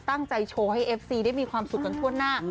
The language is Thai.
ตั้งใจโชว์ให้เอฟซีได้มีความสุขกันทั่วหน้า